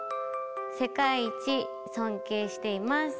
世界一尊敬しています。